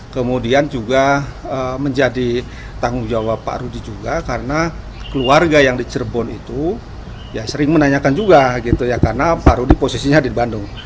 kemudian juga menjadi tanggung jawab pak rudi juga karena keluarga yang di cirebon itu ya sering menanyakan juga gitu ya karena pak rudi posisinya di bandung